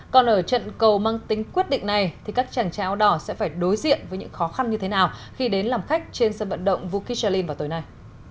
còn ở trận cầu mang tính quyết định này thì các chàng trau đỏ sẽ phải đối diện với những khó khăn như thế nào khi đến làm khách trên sân vận động vua kijerlin vào tối nay